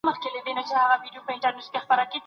اه څه نا پوه وم څه ساده دي کړمه